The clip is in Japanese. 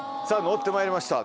ッてまいりました。